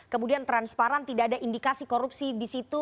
kemudian transparan tidak ada indikasi korupsi di situ